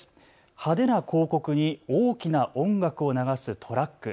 派手な広告に大きな音楽を流すトラック。